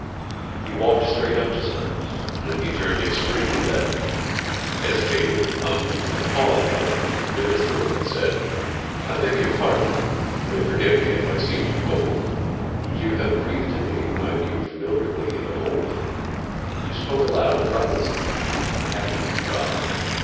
He walked straight up to SOMERS, then he turned extremely red, Hesitated, hummed and hawed a bit, then cleared his throat, and said: "I beg your pardon—pray forgive me if I seem too bold, But you have breathed a name I knew familiarly of old. You spoke aloud of ROBINSON—I happened to be by.